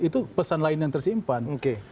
itu pesan lain yang tersimpan